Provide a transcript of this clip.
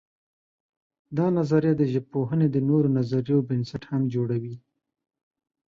دا نظریه د ژبپوهنې د نورو نظریو بنسټ هم جوړوي.